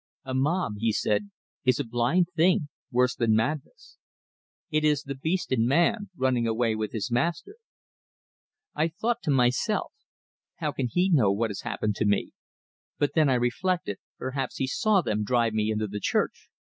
"A mob," he said, "is a blind thing, worse than madness. It is the beast in man running away with his master." I thought to myself: how can he know what has happened to me? But then I reflected, perhaps he saw them drive me into the church!